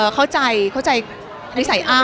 เข้าใจเข้าใจนิสัยอ้าง